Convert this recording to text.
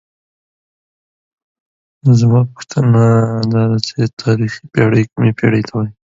With this success, however, soon comes trouble.